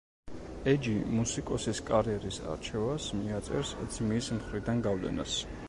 ეჯი მუსიკოსის კარიერის არჩევას მიაწერს ძმის მხრიდან გავლენას.